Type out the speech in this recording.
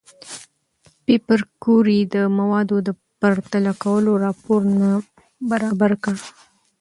پېیر کوري د موادو د پرتله کولو راپور نه برابر کړ؟